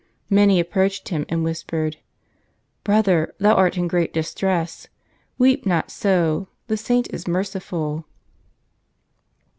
Many approached him, and whis pered, ' Brother, thou art in great distress ; weej) not so, the saint is merciful.'